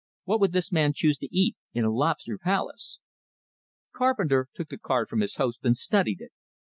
What would this man choose to eat in a "lobster palace"? Carpenter took the card from his host and studied it.